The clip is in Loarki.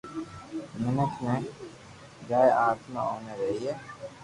مينک ني جائي آتما اوبي رھئي